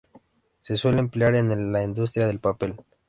Se suele emplear en la industria del papel.